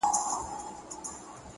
دا شی په گلونو کي راونغاړه’